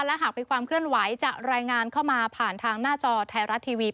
และหากมีความเคลื่อนไหวจะรายงานเข้ามาผ่านทางหน้าจอไทยรัฐทีวี